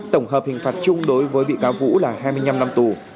tổng hợp hình phạt chung đối với bị cáo vũ là hai mươi năm năm tù